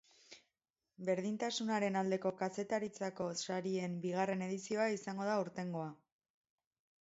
Berdintasunaren aldeko kazetaritzako sarien bigarren edizioa izango da aurtengoa.